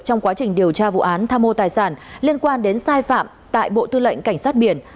trong quá trình điều tra vụ án tham mô tài sản liên quan đến sai phạm tại bộ tư lệnh cảnh sát biển